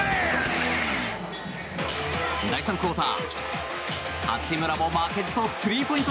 第３クオーター八村も負けじとスリーポイント